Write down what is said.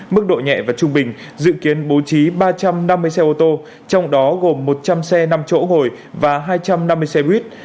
mức độ nhẹ và trung bình dự kiến bố trí ba trăm năm mươi xe ô tô trong đó gồm một trăm linh xe năm chỗ ngồi và hai trăm năm mươi xe buýt